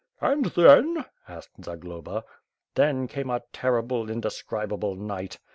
"And then?" asked Zagloba. "Then came a terrible, indescribable night.